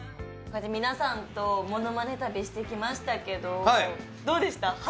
皆さんと「モノマネ旅」してきましたけどどうでした？